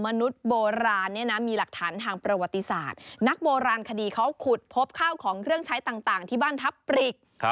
มนุษย์โบราณจะถือปินโตอะไรล่ะยังไม่มีปินโตเลย